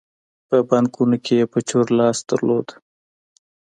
په بانکونو کې یې په چور لاس درلود.